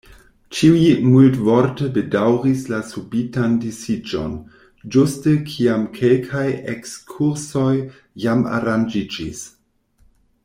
Ĉiuj multvorte bedaŭris la subitan disiĝon, ĝuste kiam kelkaj ekskursoj jam aranĝiĝis.